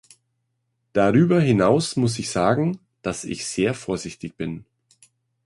Darüber hinaus muss ich sagen, dass ich sehr vorsichtig bin.